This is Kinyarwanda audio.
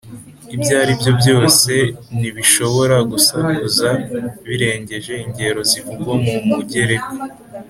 ibyo aribyo byose ntibishobora gusakuza birengeje ingero zivugwa mu mugereka